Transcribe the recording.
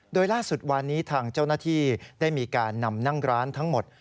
โดยล่าสุดวันนี้ทางเจ้าหน้าที่ได้มีการนำนั่งร้านทั้งหมด